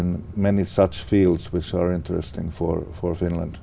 nó đã được phát triển ở việt nam